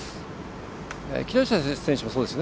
木下選手もそうですね。